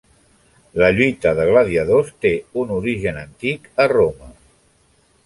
La lluita de gladiadors té un origen antic a Roma.